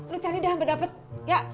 lo cari dah yang berdapet ya